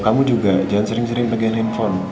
kamu juga jangan sering sering pegain handphone